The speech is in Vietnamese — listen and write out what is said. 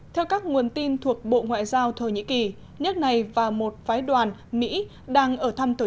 theo các nguồn tin thuộc bộ ngoại giao thổ nhĩ kỳ nước này và một phái đoàn mỹ đang ở thăm thổ